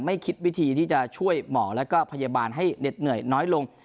ไม่คิดวิธีที่จะช่วยหมอแล้วก็พยาบาลให้เหน็ดเหนื่อยน้อยลง